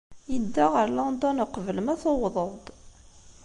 Yedda ɣer London uqbel ma tuwḍeḍ-d.